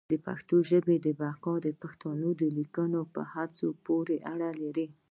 د پښتو ژبي بقا د پښتنو لیکوالانو په هڅو پوري اړه لري.